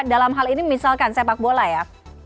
dalam hal ini misalkan sepak bola ya